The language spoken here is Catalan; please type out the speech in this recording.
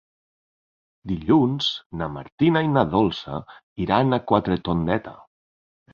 Dilluns na Martina i na Dolça iran a Quatretondeta.